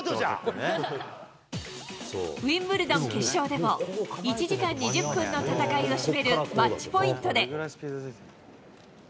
ウィンブルドン決勝でも、１時間２０分の戦いをしめるマッチポイントで。